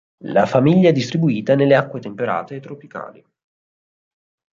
La famiglia è distribuita nelle acque temperate e tropicali.